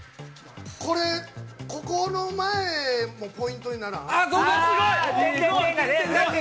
◆これ、ここの前もポイントにならん？